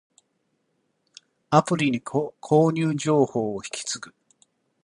アプリに購入情報を引き継ぐ